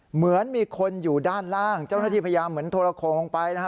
เหมือนมีคนอยู่ด้านล่างเจ้าหน้าที่พยายามเหมือนโทรโครงลงไปนะฮะ